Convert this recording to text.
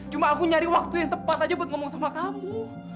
cuma aku nyari waktu yang tepat aja buat ngomong sama kamu